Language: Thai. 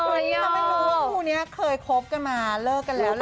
คือไม่รู้ว่าคู่นี้เคยคบกันมาเลิกกันแล้วล่ะ